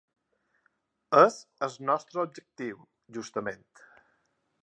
És el nostre objectiu, justament.